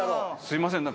すみません